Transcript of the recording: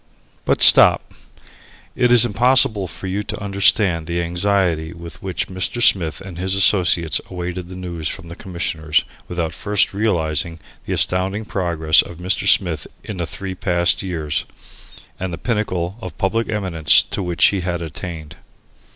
But stop it is impossible for you to understand the anxiety with which Mr. Smith and his associates awaited the news from the Commissioners, without first realizing the astounding progress of Mr. Smith in the three past years, and the pinnacle of public eminence to which he had attained.